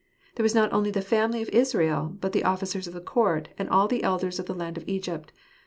There was not only the family of Israel, but the officers of the court, and all the elders of the land of Egypt.